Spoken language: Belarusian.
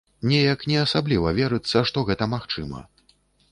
Неяк не асабліва верыцца, што гэта магчыма.